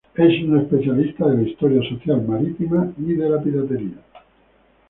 Es un especialista de la historia social marítima y de la piratería.